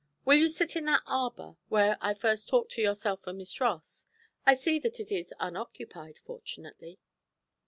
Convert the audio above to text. Will you sit in that arbour where I first talked to yourself and Miss Ross? I see that it is unoccupied, fortunately.'